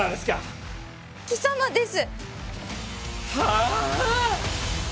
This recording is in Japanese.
貴様です！